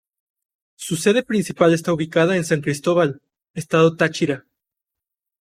Su sede principal está ubicada en San Cristóbal, Estado Táchira.